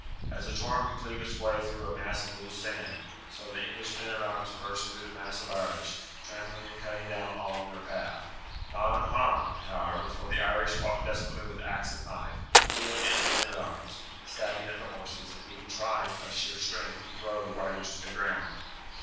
As a torrent would cleave its way through a mass of loose sand, so the English men at arms burst through the mass of Irish, trampling and cutting down all in their path. Not unharmed, however, for the Irish fought desperately with axe and knife, hewing at the men at arms, stabbing at the horses, and even trying by sheer strength to throw the riders to the ground.